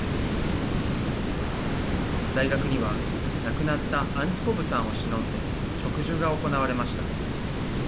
大学には、亡くなったアンティポブさんをしのんで植樹が行われました。